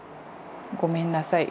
ごめんなさい。